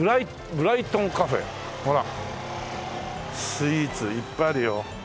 スイーツいっぱいあるよ。